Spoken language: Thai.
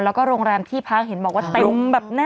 แล้วก็โรงแรมที่พรรคเห็นบอกว่าเต็มแบบน่ากี่โก